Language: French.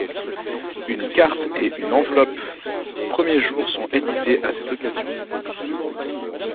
Une carte et une enveloppe Premier jour sont éditées à cette occasion.